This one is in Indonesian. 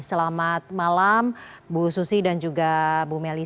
selamat malam bu susi dan juga bu melisa